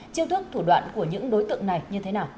chiêu thức thủ đoạn của những đối tượng này như thế nào